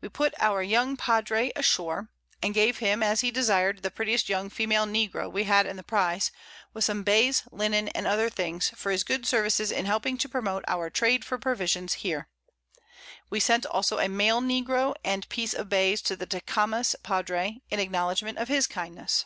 We put our young Padre ashore, and gave him, as he desir'd, the prettiest young Female Negro we had in the Prize, with some Bays, Linnen, and other things, for his good Services in helping to promote our Trade for Provisions here. We sent also a Male Negro and Piece of Bays to the Tecames Padre, in acknowledgment of his Kindness.